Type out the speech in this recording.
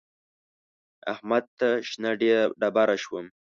احمد ته شنه ډبره شوم.